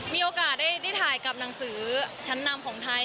มีโอกาสได้ถ่ายกับหนังสือชั้นนำของไทย